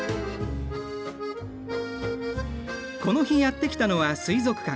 この日やって来たのは水族館。